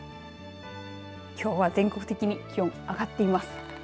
きょうは全国的に気温上がっています。